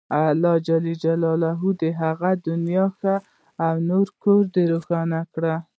الله ﷻ دې يې هغه دنيا ښه او نوی کور روښانه لري